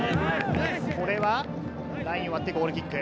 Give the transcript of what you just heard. これはラインを割ってゴールキック。